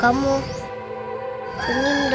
kamu jangan senyum dong semangat